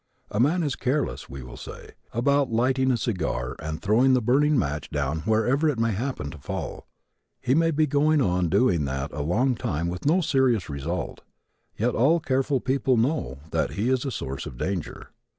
A man is careless, we will say, about lighting a cigar and throwing the burning match down wherever it may happen to fall. He may go on doing that a long time with no serious result, yet all careful people know that he is a source of danger.